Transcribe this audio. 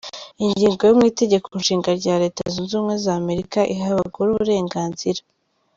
Ingingo ya mu itegeko nshinga rya Leta zunze ubumwe za Amarika iha abagore uburenganzira.